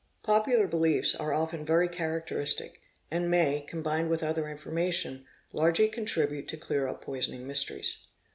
Popular beliefs are often _ very characteristic, and may, combined with other information, largely contribute to clear up poisoning mysteries.